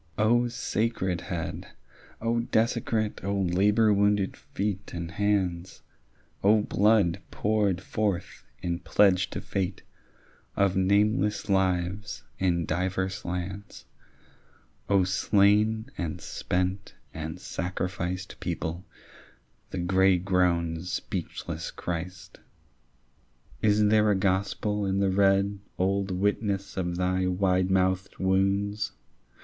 O sacred head, O desecrate, O labour wounded feet and hands, O blood poured forth in pledge to fate Of nameless lives in divers lands, O slain and spent and sacrificed People, the grey grown speechless Christ! Is there a gospel in the red Old witness of thy wide mouthed wounds?